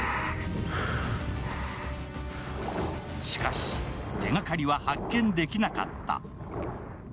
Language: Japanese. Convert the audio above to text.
しかし、手がかりは発見できなかった。